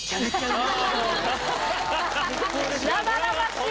生々しい！